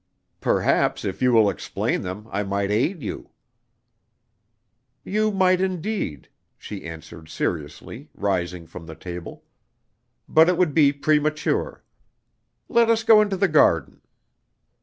"Perhaps if you will explain them, I might aid you." "You might indeed," she answered seriously, rising from the table; "but it would be premature. Let us go into the garden."